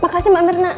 makasih mbak mirna